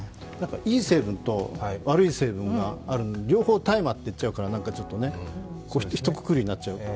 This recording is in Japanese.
いい成分と悪い成分があるのに両方、大麻って言っちゃうからひとくくりになっちゃう。